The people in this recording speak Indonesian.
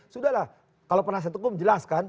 sudahlah kalau penasihat hukum jelas kan